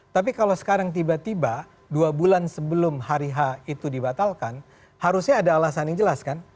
tapi kalau sekarang tiba tiba dua bulan sebelum hari h itu dibatalkan harusnya ada alasan yang jelas kan